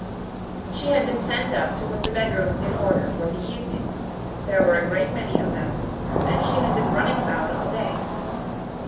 She had been sent up to put the bedrooms in order for the evening. There were a great many of them, and she had been running about all day.